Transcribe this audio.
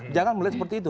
jangan melihat seperti itu